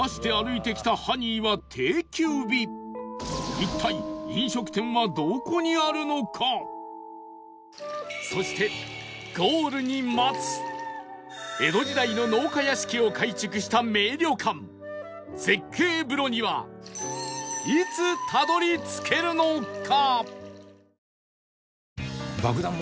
一体そしてゴールに待つ江戸時代の農家屋敷を改築した名旅館絶景風呂にはいつたどり着けるのか？